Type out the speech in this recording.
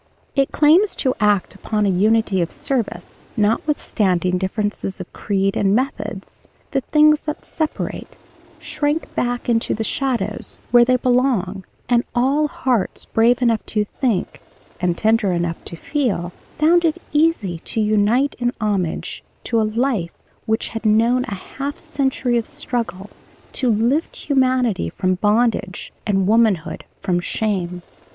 It claims to act upon a unity of service, notwithstanding differences of creed and methods. The things that separate, shrank back into the shadows where they belong, and all hearts brave enough to think, and tender enough to feel, found it easy to unite in homage to a life which had known a half century of struggle to lift humanity from bondage and womanhood from shame.